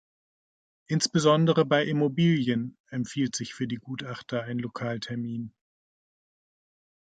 Insbesondere bei Immobilien empfiehlt sich für die Gutachter ein Lokaltermin.